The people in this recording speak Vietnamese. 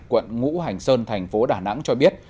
quận ngũ hành sơn thành phố đà nẵng cho biết